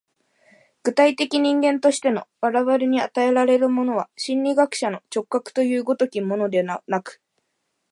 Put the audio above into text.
具体的人間としての我々に与えられるものは、心理学者の直覚という如きものではなく、